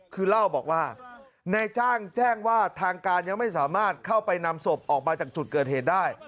คือเล่าบอกว่านายจ้างแจ้งว่าทางการยังไม่สามารถเข้าไปนำศพออกมาจากจุดเกิดเหตุได้